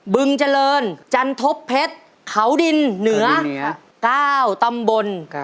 บึงเจริญจันทบเพชรเขาดินเหนือ๙ตำบล